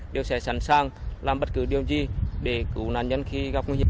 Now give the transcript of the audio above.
đều sẽ sẵn sàng làm bất cứ điều gì để cứu nạn nhân khi gặp nguy hiểm